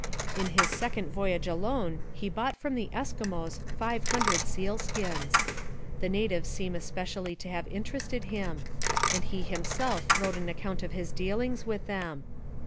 In his second voyage alone he bought from the Eskimos five hundred sealskins. The natives seem especially to have interested him, and he himself wrote an account of his dealings with them.